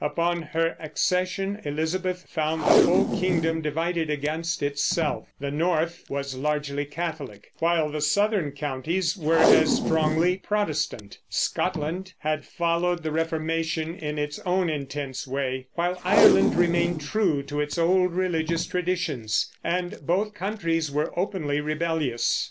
Upon her accession Elizabeth found the whole kingdom divided against itself; the North was largely Catholic, while the southern counties were as strongly Protestant. Scotland had followed the Reformation in its own intense way, while Ireland remained true to its old religious traditions, and both countries were openly rebellious.